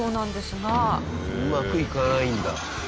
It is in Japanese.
うまくいかないんだ。